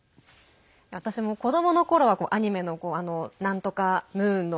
私も子どものころはアニメの「なんとかムーン」の。